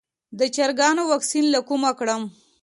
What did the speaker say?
د چرګانو واکسین له کومه کړم؟